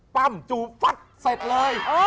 ปั้มจูบฟัดเสร็จเลย